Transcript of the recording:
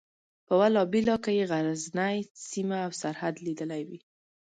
په والله بالله که یې غزنۍ سیمه او سرحد لیدلی وي.